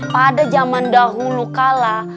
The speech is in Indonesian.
pada jaman dahulu kala